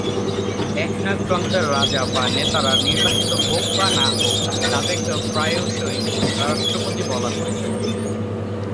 একনায়ক তন্ত্রের রাজা বা নেতারা নির্বাচিত হোক বা না হোক, তাদেরকেও প্রায়শই রাষ্ট্রপতি বলা হয়ে থাকে।